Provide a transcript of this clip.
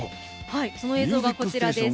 その映像がこちらです。